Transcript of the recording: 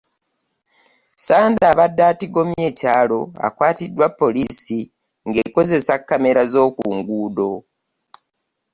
Sunday abadde atigomya ekyalo akwatiddwa poliisi ng'ekozessa kkamera z'okungudo.